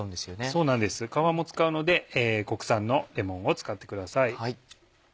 そうなんです皮も使うので国産のレモンを使ってください。